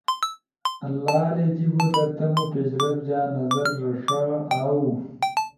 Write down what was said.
لالے جیِبو در تمو پیشرفت جا نظر رݜا اؤ